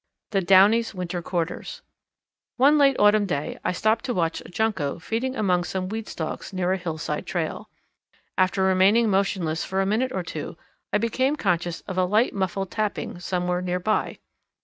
The Downy's Winter Quarters. One late autumn day I stopped to watch a Junco feeding among some weed stalks near a hillside trail. After remaining motionless for a minute or two I became conscious of a light muffled tapping somewhere near by.